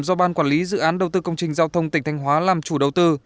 do ban quản lý dự án đầu tư công trình giao thông tỉnh thanh hóa làm chủ đầu tư